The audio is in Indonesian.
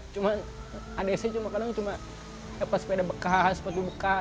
cuman adanya saya kadang kadang cuma sepeda bekas sepatu bekas